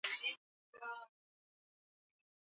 Usiniangalie!